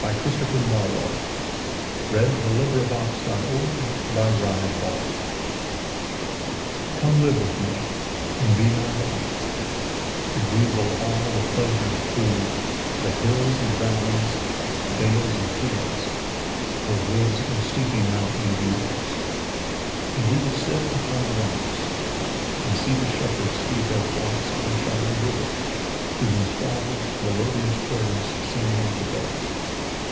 Christopher Marlowe. 1564–93 121. The Passionate Shepherd to His Love COME live with me and be my Love, And we will all the pleasures prove That hills and valleys, dales and fields, Or woods or steepy mountain yields. And we will sit upon the rocks, 5 And see the shepherds feed their flocks By shallow rivers, to whose falls Melodious birds sing madrigals.